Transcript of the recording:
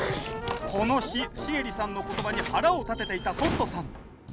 この日シエリさんの言葉に腹を立てていたトットさん。